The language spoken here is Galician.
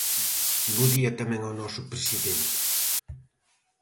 Bo día tamén ao noso presidente.